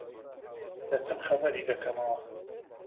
دەچم خەبەری دەکەمەوە.